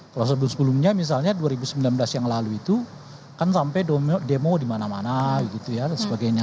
kalau sebelum sebelumnya misalnya dua ribu sembilan belas yang lalu itu kan sampai demo dimana mana gitu ya dan sebagainya